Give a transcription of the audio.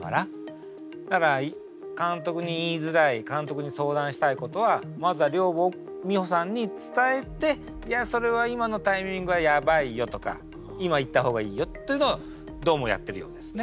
だから監督に言いづらい監督に相談したいことはまずは寮母美穂さんに伝えて「いやそれは今のタイミングはやばいよ」とか「今言った方がいいよ」というのをどうもやってるようですね。